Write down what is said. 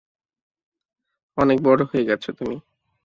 অনেক বড় হয়ে গেছো তুমি।